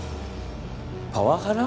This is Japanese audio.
パワハラ？